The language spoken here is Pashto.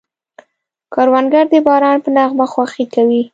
کروندګر د باران په نغمه خوښي کوي